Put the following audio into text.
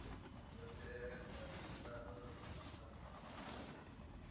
Llegó a ser agregado de la embajada mexicana en Argentina.